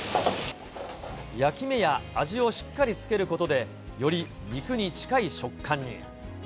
焼き目や味をしっかりつけることで、より肉に近い食感に。